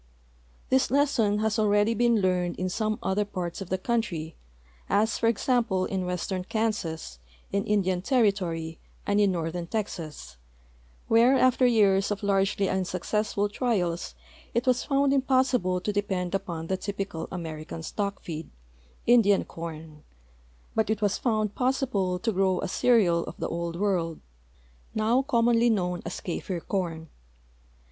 This lesson has already been learned in some other parts of the country, as, for example, in western Kan sas, in Indian territory, and in northern Texas, Avhere after years of largely unsuccessful trials it was found impossible to depend u})on the typical American stock feed, Indian corn, but it was found possible to grow a cereal of the old Avorld, noAV commonly THE SAGE PLAINS OF OREGON 403 known as Kafir corn.